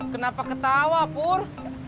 kenapa ketawa pur